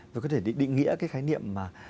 và có thể định nghĩa cái khái niệm mà